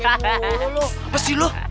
apa sih lu